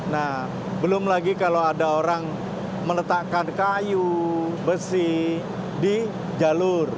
nah belum lagi kalau ada orang meletakkan kayu besi di jalur